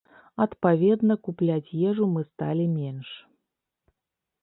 Адпаведна, купляць ежу мы сталі менш.